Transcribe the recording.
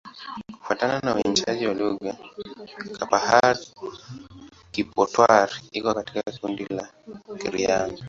Kufuatana na uainishaji wa lugha, Kipahari-Kipotwari iko katika kundi la Kiaryan.